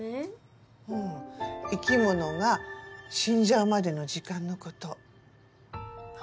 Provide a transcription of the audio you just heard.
生きものが死んじゃうまでの時間のこと